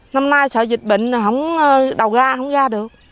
năm nay sợ dịch bệnh đầu ga không ra được